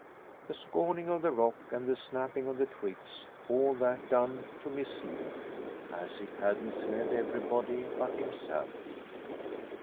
The scoring of the rock and the snapping of the twigs, all that done to mislead; as it had misled everybody but himself.